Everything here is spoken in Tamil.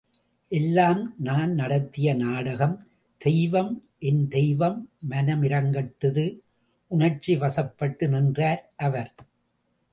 எல்லாம் நான் நடத்திய நாடகம்... தெய்வம்... என் தெய்வம் மனமிரங்கிட்டுது! உணர்ச்சி வசப்பட்டு நின்றார் அவர்.